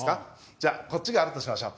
じゃこっちがあるとしましょう。